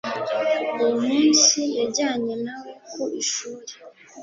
uwo munsi yajyanye na we ku ishuri